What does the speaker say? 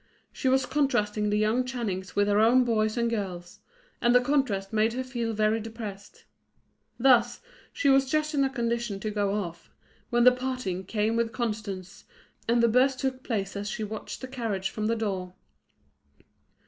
She was contrasting the young Channings with her own boys and girls, and the contrast made her feel very depressed. Thus she was just in a condition to go off, when the parting came with Constance, and the burst took place as she watched the carriage from the door.